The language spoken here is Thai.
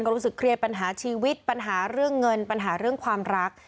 รู้สึกเครียดปัญหาชีวิตปัญหาเรื่องเงินปัญหาเรื่องความรัก